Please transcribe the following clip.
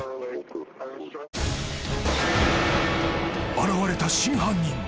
［現れた真犯人］